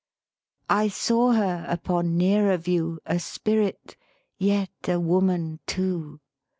" I saw her upon nearer view, A Spirit, yet a Woman too!